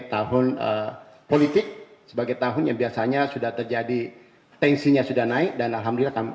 tahun politik sebagai tahun yang biasanya sudah terjadi tensinya sudah naik dan alhamdulillah